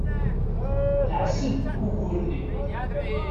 Neɛzel-d ugur-nni.